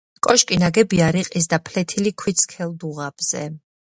კოშკი ნაგებია რიყის და ფლეთილი ქვით სქელ დუღაბზე.